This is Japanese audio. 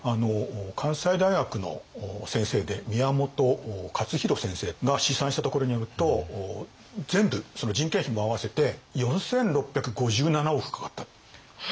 関西大学の先生で宮本勝浩先生が試算したところによると全部人件費も合わせて４，６５７億かかった。